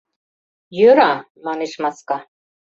— Йӧра, — манеш маска.